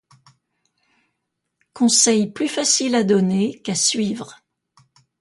Conseil plus facile à donner qu’à suivre.